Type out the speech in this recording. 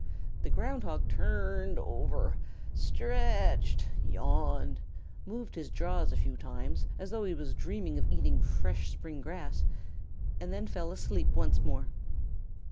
The Ground Hog turned over, stretched, yawned, moved his jaws a few times as though he dreamed of eating fresh spring grass, and then fell asleep once more.